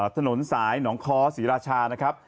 ถนนสายหนองค้อศรีราชานะครับ